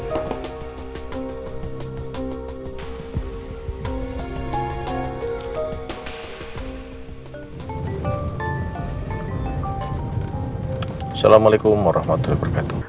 asalamualaikum warahmatullahi wabarakatuh